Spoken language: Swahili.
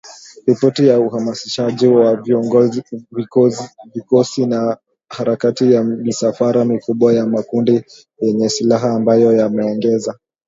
ripoti ya uhamasishaji wa vikosi na harakati za misafara mikubwa ya makundi yenye silaha ambayo yameongeza